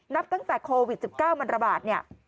นับตั้งแต่โควิด๑๙มันละบาท